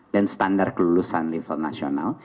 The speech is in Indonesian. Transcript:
dan standar kelulusan level nasional